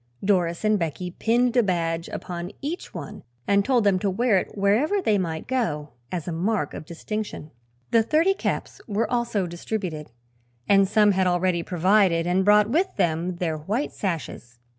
Doris and Becky pinned a badge upon each one and told them to wear it wherever they might go, as a mark of distinction. The thirty caps were also distributed and some had already provided and brought with them their white sashes.